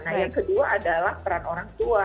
nah yang kedua adalah peran orang tua